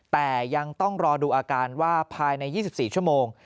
แต่ยังต้องรอดูอาการว่าภายใน๒๔ชั่วโมง